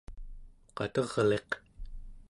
qaterliq